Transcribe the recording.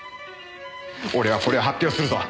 俺はこれを発表するぞ。